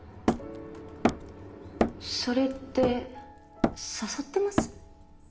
それって誘ってます？